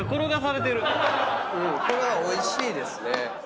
これはおいしいですね。